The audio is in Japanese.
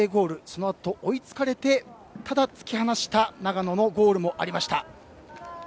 そのあと追いつかれてただ、突き放した長野のゴールもありました。